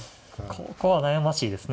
ここは悩ましいですね。